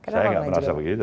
saya tidak merasa begitu